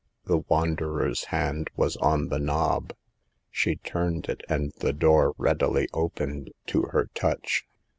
The wanderers hand was on the knob ; she turned it and the door readily opened to her touch.